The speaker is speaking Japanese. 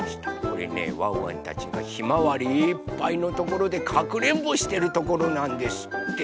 これねワンワンたちがひまわりいっぱいのところでかくれんぼしてるところなんですって。